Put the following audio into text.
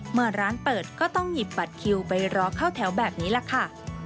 เมื่อร้านเปิดก็ต้องหยิบบัตรคิวไปรอเข้าแถวแบบนี้แหละค่ะ